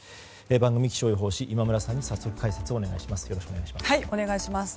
番組気象予報士、今村さんに解説をお願いします。